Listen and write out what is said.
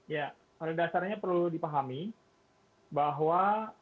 ya pada dasarnya perlu dipahami bahwa